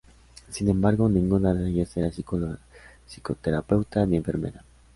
Sin embargo, ninguna de ellas era psicóloga, psicoterapeuta ni enfermera.